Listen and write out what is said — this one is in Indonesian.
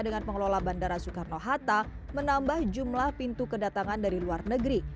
dengan pengelola bandara soekarno hatta menambah jumlah pintu kedatangan dari luar negeri